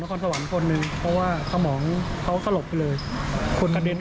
น้องควรสวรรค์คนหนึ่งเพราะว่าขมองเขาขลบไปเลย